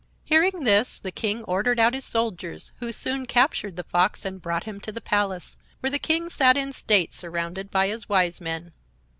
Hearing this, the King ordered out his soldiers, who soon captured the Fox and brought him to the palace, where the King sat in state, surrounded by his Wise Men.